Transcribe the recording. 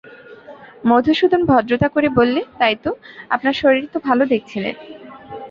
মধুসূদন ভদ্রতা করে বললে, তাই তো, আপনার শরীর তো ভালো দেখছি নে।